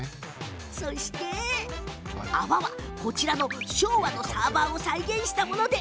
そして、泡はこちらの昭和のサーバーを再現したもので。